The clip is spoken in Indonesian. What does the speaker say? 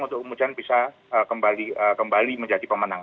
untuk kemudian bisa kembali menjadi pemenang